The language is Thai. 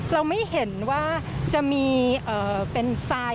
เราไม่เห็นว่าจะมีเป็นทราย